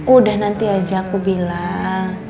udah nanti aja aku bilang